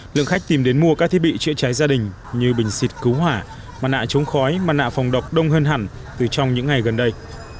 lượng khách tìm đến mua các thiết bị chữa cháy gia đình như bình xịt cứu hỏa mặt nạ chống khói mặt nạ phòng độc đông hơn hẳn từ trong những ngày gần đây